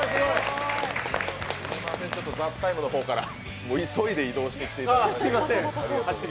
「ＴＨＥＴＩＭＥ，」の方から急いで移動してきていただいて。